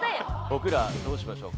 僕らどうしましょうか？